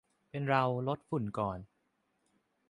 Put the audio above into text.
เป็นเรา ลดฝุ่นก่อน